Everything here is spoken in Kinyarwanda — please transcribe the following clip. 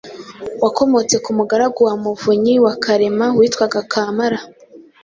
Wakomotse ku mugaragu wa Muvunyi wa Karema witwaga Kamara,